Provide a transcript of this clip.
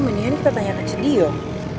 mendingan kita tanya ke cedi yuk